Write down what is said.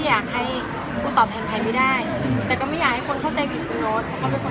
อยากให้กูตอบแทนใครไม่ได้แต่ก็ไม่อยากให้คนเข้าใจผิดคุณโน๊ต